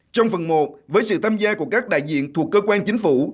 trong phần một với sự tham gia của các đại diện thuộc cơ quan chính phủ